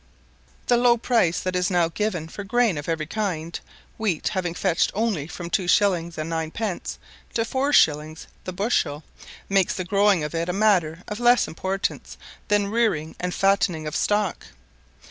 The low price that is now given for grain of every kind, wheat having fetched only from two shillings and nine pence to four shillings the bushel, makes the growing of it a matter of less importance than rearing and fatting of stock.